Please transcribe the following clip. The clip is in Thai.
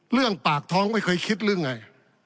เรื่องปากท้องไม่เคยคิดหรือไง